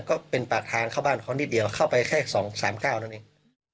ก็เป็นปากทางเข้าบ้านเขานิดเดียวเข้าไปแค่๒๓๙นั่นเอง